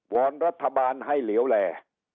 วรรณรัฐบาลให้เหลียวแร่